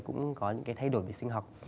cũng có những cái thay đổi về sinh học